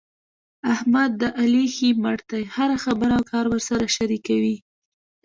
احمد د علي ښی مټ دی. هره خبره او کار ورسره شریکوي.